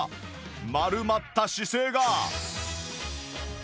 丸まった姿勢が